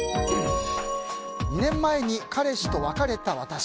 ２年前に彼氏と別れた私。